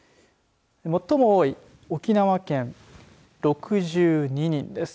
最も多い沖縄県６２人です。